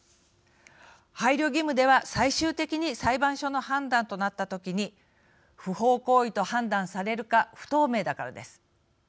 配慮義務では、最終的に裁判所の判断となった時に不法行為と判断されるか不透明だからです。